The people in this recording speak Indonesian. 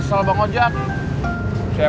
bagaimana maksud dia